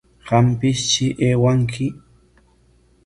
Qampistri aywanki.